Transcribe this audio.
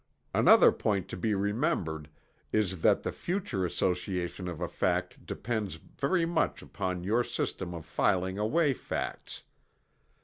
Another point to be remembered is that the future association of a fact depends very much upon your system of filing away facts.